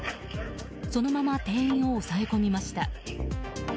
そのまま店員を押さえ込みました。